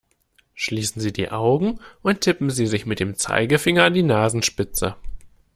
Schließen Sie die Augen und tippen Sie sich mit dem Zeigefinder an die Nasenspitze!